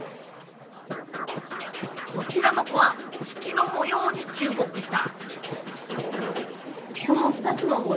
こちらの子は月の模様に注目した。